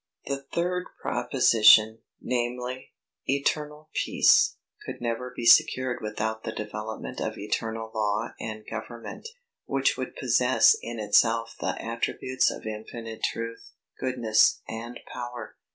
The third proposition, viz. Eternal Peace, could never be secured without the development of Eternal Law and government, which would possess in itself the attributes of infinite truth, goodness and power.